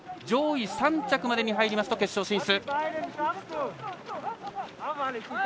上位３着までに入りますと決勝進出。